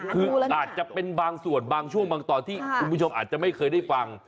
คืออาจจะเป็นบางส่วนบางช่วงบางตอนที่คุณผู้ชมอาจจะไม่เคยได้ฟัง